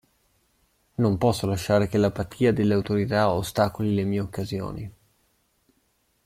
Non posso lasciare che l'apatia delle autorità ostacoli le mie occasioni.